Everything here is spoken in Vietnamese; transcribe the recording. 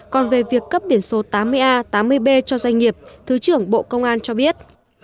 còn về việc cấp biển số tám mươi a tám mươi b cho doanh nghiệp thứ trưởng bộ công an cho biết